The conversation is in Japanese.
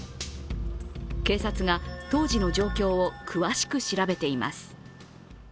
警察が当時の状況を詳しく調べています。